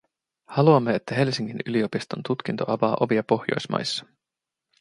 Haluamme, että Helsingin yliopiston tutkinto avaa ovia Pohjoismaissa.